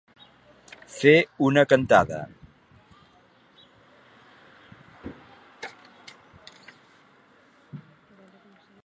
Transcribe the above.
Fer una cantada.